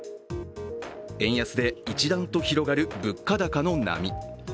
円安で一段と広がる物価高の波。